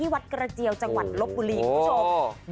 วัดกระเจียวจังหวัดลบบุรีคุณผู้ชม